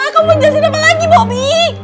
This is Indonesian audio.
kamu mau jelasin apa lagi bobi